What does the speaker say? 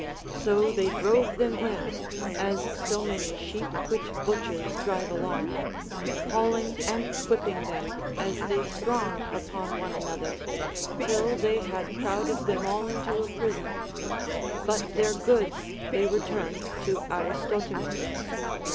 So they drove them in (as so many sheep which butchers drive along), hauling and whipping them as they thronged upon one another, till they had crowded them all into a prison ; but their goods they returned to Aristotimus.